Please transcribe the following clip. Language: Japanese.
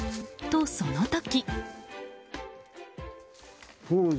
と、その時。